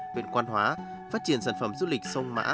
huyện quan hóa phát triển sản phẩm du lịch sông mã